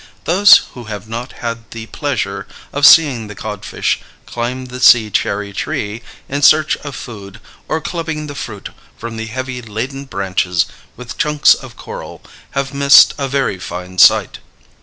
Those who have not had the pleasure of seeing the codfish climb the sea cherry tree in search of food, or clubbing the fruit from the heavily laden branches with chunks of coral, have missed a very fine sight.